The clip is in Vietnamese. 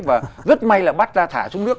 và rất may là bắt ra thả xuống nước